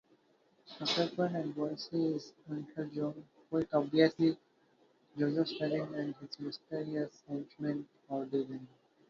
A frequent adversary is "Uncle Joe"-quite obviously Joseph Stalin-and his marionette henchman, "Howdy Ivan".